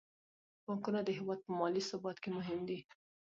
بانکونه د هیواد په مالي ثبات کې مهم دي.